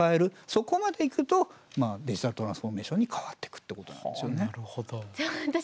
そこまでいくとデジタルトランスフォーメーションに変わっていくってことなんですよね。